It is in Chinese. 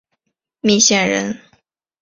密县人。